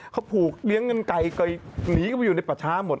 เขาผูกเลี้ยงกันไกลหนีเข้าไปอยู่ในป่าช้าหมด